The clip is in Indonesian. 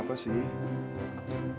ayat yang enak